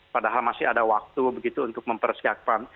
padahal masih ada waktu begitu untuk mempersiapkan